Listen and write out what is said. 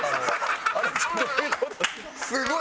すごい！